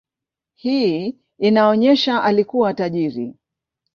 Hii inaonyesha alikuwa tajiri.